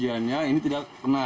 perjanjiannya ini tidak pernah